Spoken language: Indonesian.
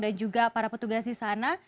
dan juga para petugas di sana